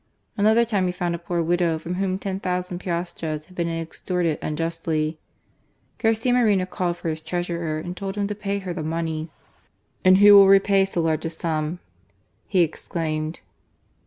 Another time he found a poor widow from whom lo.ooo piastres had been extorted unjustly. Garcia Moreno called for his treasurer, and told him to pay her the money. "And who will repay so large a sum?" he ex claimed.